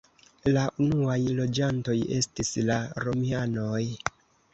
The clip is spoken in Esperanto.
La unuaj loĝantoj estis la romianoj.